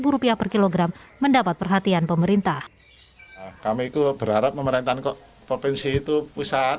rupiah per kilogram mendapat perhatian pemerintah kami itu berharap pemerintahan kok provinsi itu pusat